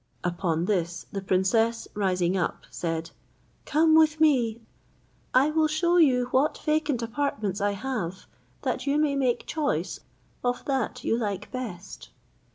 Upon this the princess, rising up, said, "Come with me, I will shew you what vacant apartments I have, that you may make choice of that you like best."